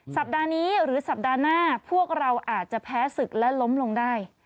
สัปดาห์นี้หรือสัปดาห์หน้าพวกเราอาจจะแพ้ศึกและล้มลงได้